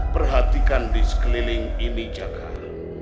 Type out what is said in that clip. perhatikan di sekeliling ini jagal